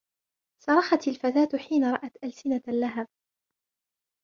صرخت الفتاة حين رأت ألسنة اللهب.